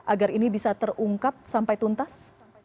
agar ini bisa terungkap sampai tuntas